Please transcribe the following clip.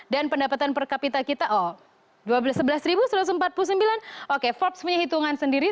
dan pendapatan per kapita kita oh sebelas satu ratus empat puluh sembilan oke forbes punya hitungan sendiri